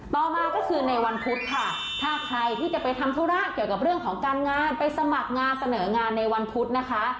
ต่อมาก็คือในวันพุธค่ะถ้าใครที่จะไปทำธุระเกี่ยวกับเรื่องของการงานไปสมัครงานเสนองานในวันพุธนะคะ